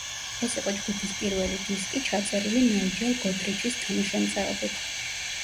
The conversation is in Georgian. ეს იყო ჯგუფის პირველი დისკი, ჩაწერილი ნაიჯელ გოდრიჩის თანაშემწეობით.